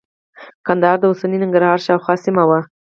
ګندهارا د اوسني ننګرهار شاوخوا سیمه وه